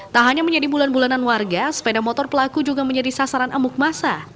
tak hanya menjadi bulan bulanan warga sepeda motor pelaku juga menjadi sasaran amuk masa